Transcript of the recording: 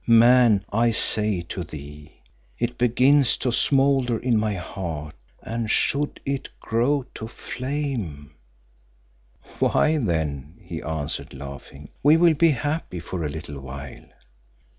Man, I say to thee, it begins to smoulder in my heart, and should it grow to flame " "Why then," he answered laughing, "we will be happy for a little while."